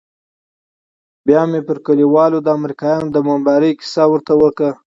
بيا مې پر کليوالو د امريکايانو د بمبارۍ کيسه ورته وکړه.